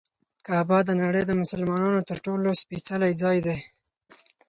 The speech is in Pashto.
کعبه د نړۍ د مسلمانانو تر ټولو سپېڅلی ځای دی.